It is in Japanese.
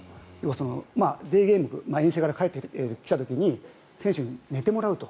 デーゲーム遠征から帰ってきた時に選手に寝てもらうと。